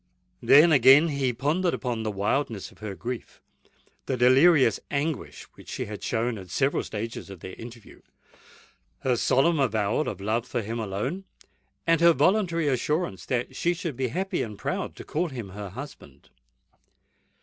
Then, again, he pondered upon the wildness of her grief—the delirious anguish which she had shown at several stages of their interview—her solemn avowal of love for him alone—and her voluntary assurance that she should be happy and proud to call him her husband.